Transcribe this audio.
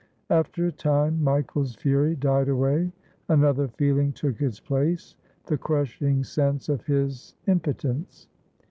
After a time Michael's fury died away. Another feel ing took its place — the crushing sense of his impotence.